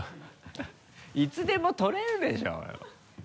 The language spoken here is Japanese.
いつでも撮れるでしょうよ。